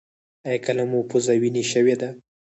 ایا کله مو پوزه وینې شوې ده؟